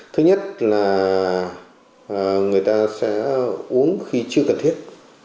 thứ nhất là người ta sẽ uống khi chưa cần thiết